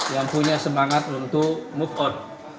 yang punya semangat untuk move on